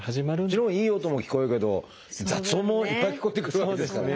もちろんいい音も聞こえるけど雑音もいっぱい聞こえてくるわけですからね。